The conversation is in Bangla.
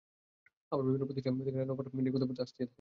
আবার বিভিন্ন প্রতিষ্ঠান থেকে নানা অফার দিয়ে খুদে বার্তা আসতেই থাকে।